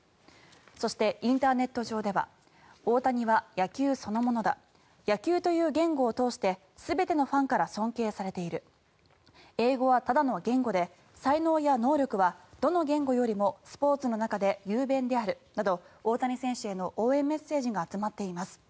そして、インターネット上では大谷は野球そのものだ野球という言語を通して全てのファンから尊敬されている英語はただの言語で才能や能力はどの言語よりもスポーツの中で雄弁であるなど大谷選手への応援メッセージが集まっています。